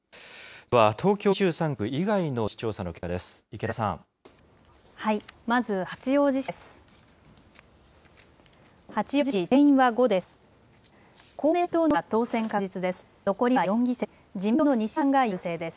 では東京２３区以外の出口調査の結果です。